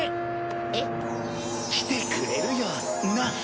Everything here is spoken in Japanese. えっ？来てくれるよな？